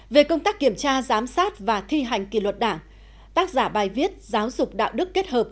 về công tác kiểm tra giám sát và thi hành kỷ luật đảng tác giả bài viết giáo dục đạo đức kết hợp